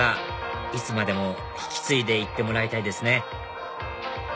いつまでも引き継いでいってもらいたいですね